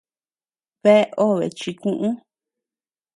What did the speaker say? Bea obe chikuʼu.